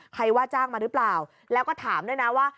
ว่าจ้างมาหรือเปล่าแล้วก็ถามด้วยนะว่า